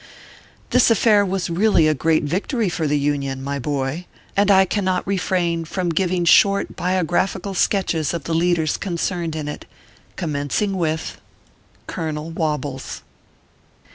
This affair was really a great victory for the Union, my boy, and I cannot refrain from giving short bio graphical sketches of the leaders concerned in it, commencing with 92 ORPHEUS C. KERR PAPERS. COLONEL WOBBLES.